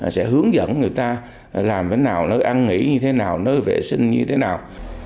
sẽ hướng dẫn người ta làm nơi nào nơi ăn nghỉ như thế nào nơi vệ sinh như thế nào